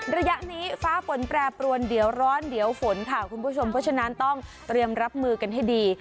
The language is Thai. ระยะนี้ฟ้าฝนแปรปรวนเดี๋ยวร้อนเดี๋ยวฝนค่ะคุณผู้ชมเพราะฉะนั้นต้องเตรียมรับมือกันให้ดี